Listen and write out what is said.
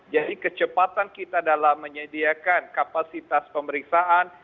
jadi kecepatan kita dalam menyediakan kapasitas pemeriksaan